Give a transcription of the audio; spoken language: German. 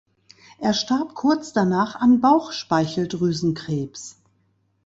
Er starb kurz danach an Bauchspeicheldrüsenkrebs.